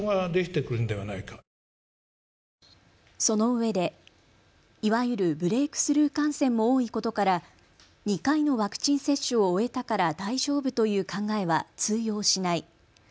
そのうえで、いわゆるブレークスルー感染も多いことから２回のワクチン接種を終えたから大丈夫という考えは通用しない。